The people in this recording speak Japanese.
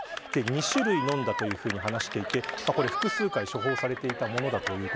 ２種類飲んだということで複数回処方されていたものです。